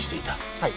はい。